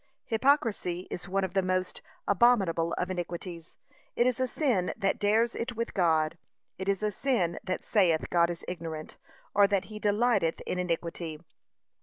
Hypocrisy is one of the most abominable of iniquities. It is a sin that dares it with God. It is a sin that saith God is ignorant, or that he delighteth in iniquity.